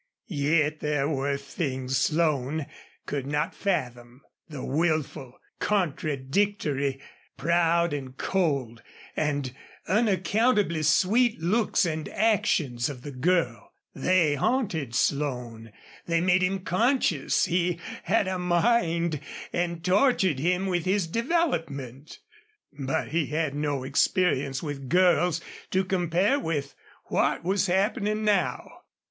Yet there were things Slone could not fathom the wilful, contradictory, proud and cold and unaccountably sweet looks and actions of the girl. They haunted Slone. They made him conscious he had a mind and tortured him with his development. But he had no experience with girls to compare with what was happening now.